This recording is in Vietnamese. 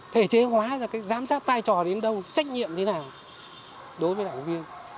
thể chế hóa ra cái giám sát vai trò đến đâu trách nhiệm thế nào đối với đảng viên